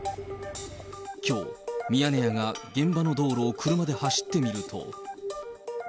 きょう、ミヤネ屋が現場の道路を車で走ってみると。